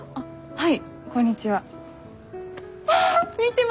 はい。